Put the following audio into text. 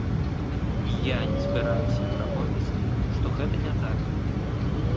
І я не збіраюся пераконваць іх, што гэта не так.